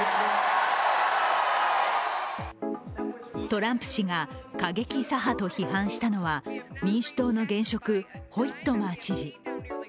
トランプ氏が過激左派と批判したのは民主党の現職、ホイットマー知事。